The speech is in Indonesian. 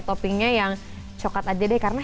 toppingnya yang coklat aja deh karena